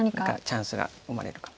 チャンスが生まれるか。